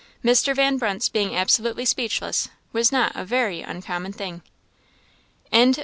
Mr. Van Brunt's being absolutely speechless was not a very uncommon thing. CHAPTER XLI.